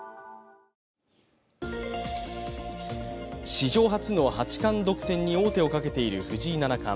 史上初の八冠独占に王手をかけている藤井七冠。